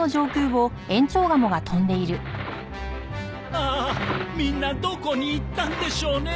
ああみんなどこに行ったんでしょうね。